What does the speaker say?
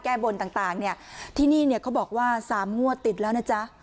แก้บนต่างเนี่ยที่นี่เนี่ยเขาบอกว่าสามงวดติดแล้วนะจ๊ะ